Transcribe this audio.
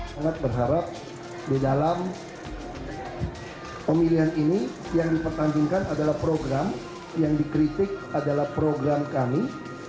sangat berharap di dalam pemilihan ini yang dipertandingkan adalah program yang dikritik adalah program kami